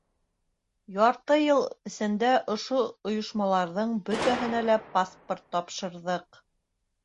Ярты йыл эсендә ошо ойошмаларҙың бөтәһенә лә паспорт тапшырҙыҡ.